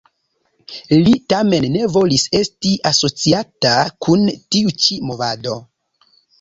Li tamen ne volis esti asociata kun tiu ĉi movado.